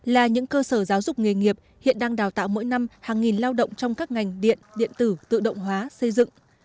là những cơ sở giáo dục nghề nghiệp hiện đang đào tạo mỗi năm hàng nghìn lao động trong các ngành điện điện tử tự động hóa xây dựng